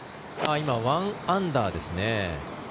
今、１アンダーですね。